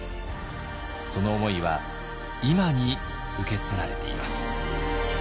その思いは今に受け継がれています。